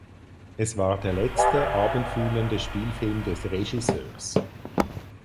Es war der letzte abendfüllende Spielfilm des Regisseurs.